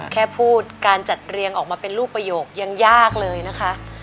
แค่พูดการจัดเรียงออกมาเป็นลูกประโยคยังยากเลยนะคะ